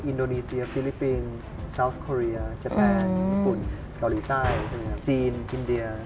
อินโดนีเซียฟิลิปปินส์ซาวสโครียเจแตนญี่ปุ่นเกาหลีใต้จีนอินเดีย